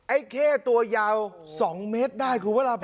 ไอ้เข้ตัวยาว๒เมตรได้คุณพระราพร